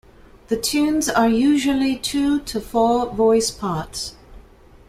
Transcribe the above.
The tunes are usually two to four voice parts.